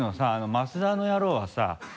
増田の野郎はさ